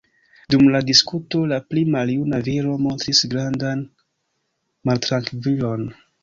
Dum la diskuto la pli maljuna viro montris grandan maltrankvilon.